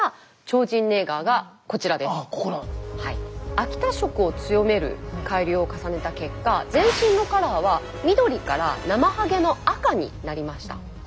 秋田色を強める改良を重ねた結果全身のカラーは緑からなまはげの赤になりました。